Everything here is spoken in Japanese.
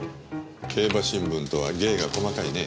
競馬新聞とは芸が細かいね。